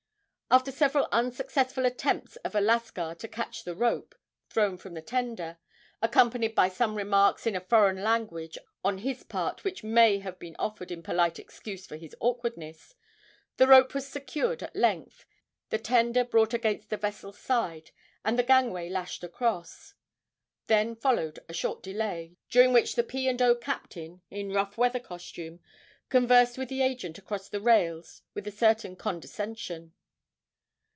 After several unsuccessful attempts of a Lascar to catch the rope thrown from the tender, accompanied by some remarks in a foreign language on his part which may have been offered in polite excuse for his awkwardness, the rope was secured at length, the tender brought against the vessel's side, and the gangway lashed across. Then followed a short delay, during which the P. and O. captain, in rough weather costume, conversed with the agent across the rails with a certain condescension.